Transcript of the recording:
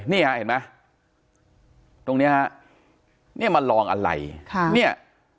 นี่ฮะเห็นไหมตรงเนี้ยฮะเนี่ยมาลองอะไรค่ะเนี่ย